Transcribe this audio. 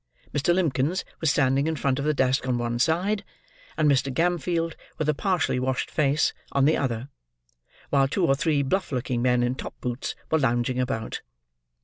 Mr. Limbkins was standing in front of the desk on one side; and Mr. Gamfield, with a partially washed face, on the other; while two or three bluff looking men, in top boots, were lounging about.